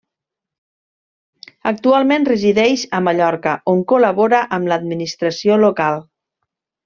Actualment resideix a Mallorca, on col·labora amb l'administració local.